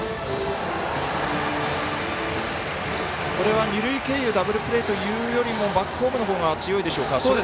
これは二塁経由ダブルプレーというよりもバックホームの方が強いでしょうか。